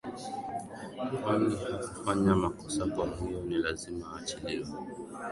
kwani hakufanya makosa kwa hiyo ni lazima aachiliwe